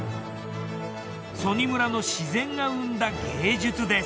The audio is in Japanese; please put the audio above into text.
曽爾村の自然が生んだ芸術です。